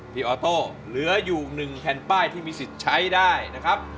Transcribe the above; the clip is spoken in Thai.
ออโต้เหลืออยู่๑แผ่นป้ายที่มีสิทธิ์ใช้ได้นะครับ